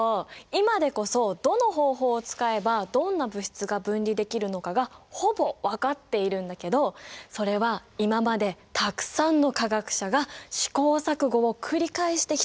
今でこそどの方法を使えばどんな物質が分離できるのかがほぼ分かっているんだけどそれは今までたくさんの化学者が試行錯誤を繰り返してきたからなんだよ。